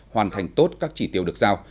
hoàn thành tốt các chỉ tiêu được giao